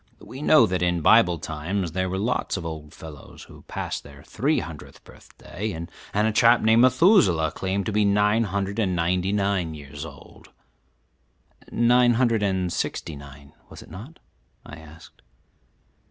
We know that in Bible times there were lots of old fellows who passed their three hundredth birthday, and a chap named Methuselah claimed to be nine hundred and ninety nine years old." "Nine hundred and sixty nine, was it not?" I asked.